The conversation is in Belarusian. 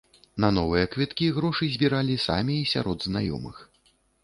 На новыя квіткі грошы збіралі самі і сярод знаёмых.